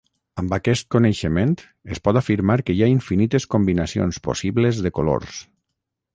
Amb aquest coneixement, es pot afirmar que hi ha infinites combinacions possibles de colors.